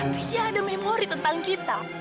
tapi dia ada memori tentang kita